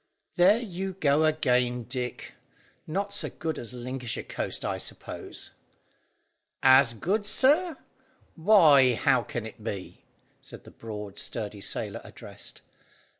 "There you go again, Dick; not so good as Lincolnshire coast, I suppose?" "As good, sir? Why, how can it be?" said the broad, sturdy sailor addressed.